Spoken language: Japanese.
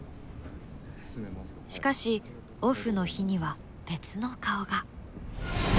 しかしオフの日には別の顔が。